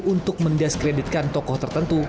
untuk mendiskreditkan tokoh tertentu